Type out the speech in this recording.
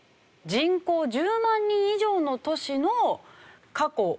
人口１０万人以上の都市の過去